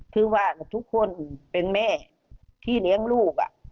คือว่าทุกคนเป็นแม่ที่เลี้ยงลูก